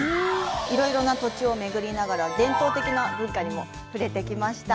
いろいろな土地を巡りながら伝統的な文化にも触れてきました。